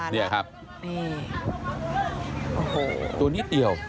เท่านี้เดียว